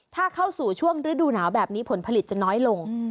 ถ้าเข้าสู่ช่วงฤดูหนาวแบบนี้ผลผลิตจะน้อยลง